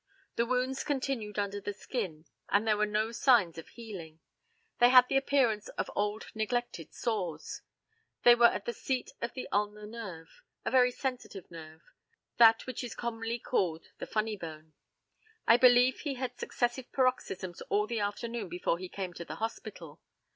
The wounds continued under the skin, and there were no signs of healing. They had the appearance of old neglected sores. They were at the seat of the ulnar nerve a very sensitive nerve, that which is commonly called the "funny bone." I believe he had successive paroxysms all the afternoon before he came to the hospital.